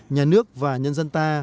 nhà nước và nhân dân ta